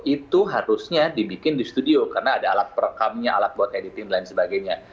itu harusnya dibikin di studio karena ada alat perekamnya alat buat editing dan lain sebagainya